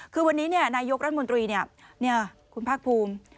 คือวันนี้นายยกรัฐมนตรีเนี่ยนี่คุณพรรคภูมิ